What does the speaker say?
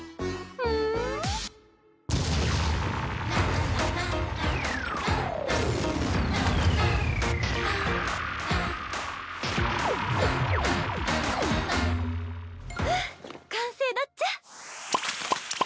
ふう完成だっちゃ。